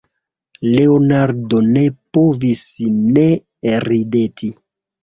Leonardo ne povis ne rideti.